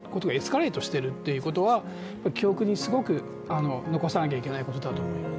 結局、どんどん民間人が犠牲になることがエスカレートしているということは記憶にすごく残さなきゃいけないことだと思います。